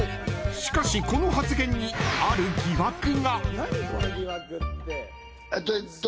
しかし、この発言にある疑惑が。